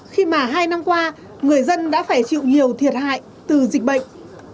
khi mà hai năm qua người dân đã phải chịu nhiều thiệt hại từ dịch bệnh